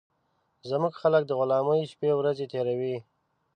زموږ خلک د غلامۍ شپې ورځي تېروي